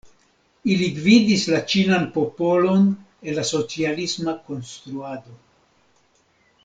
Ili gvidis la ĉinan popolon en la socialisma konstruado.